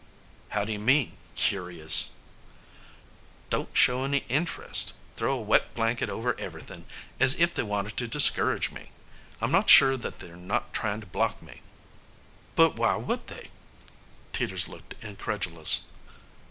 "How do you mean curious?" "Don't show any interest throw a wet blanket over everything as if they wanted to discourage me I'm not sure that they're not tryin' to block me." "But why would they?" Teeters looked incredulous.